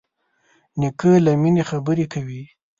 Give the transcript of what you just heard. نیکه له مینې خبرې کوي.